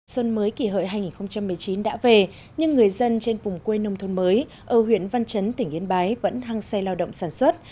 xuân mới kỷ hợi hai nghìn một mươi chín đã về nhưng người dân trên vùng quê nông thôn mới ở huyện văn chấn tỉnh yên bái vẫn hăng say lao động sản xuất